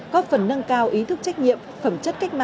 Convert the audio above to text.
góp phần nâng cao ý thức trách nhiệm